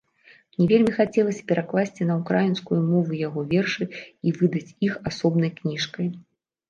Мне вельмі хацелася перакласці на ўкраінскую мову яго вершы і выдаць іх асобнай кніжкай.